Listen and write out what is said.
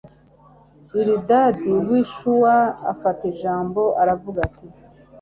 bilidadi w'i shuwa afata ijambo, aravuga ati